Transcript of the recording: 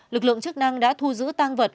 lực lượng chức năng đã thu giữ tăng vật